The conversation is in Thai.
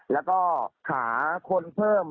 แล้วก็หาคนเพิ่ม